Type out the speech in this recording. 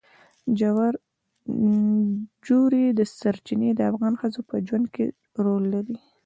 ژورې سرچینې د افغان ښځو په ژوند کې رول لري.